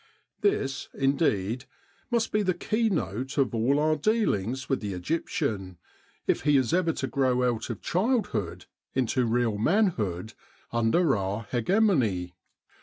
This, indeed, must be the keynote of all our deal ings with the Egyptian, if he is ever to grow out of childhood into real manhood under our hegemony.